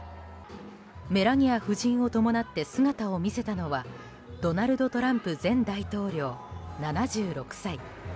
メラニア夫人を伴って姿を見せたのはドナルド・トランプ前大統領７６歳。